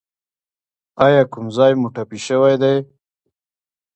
ایا کوم ځای مو ټپي شوی دی؟